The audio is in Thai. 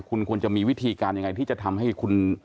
คุณควรจะมีวิธีการยังไงที่จะทำให้คุณ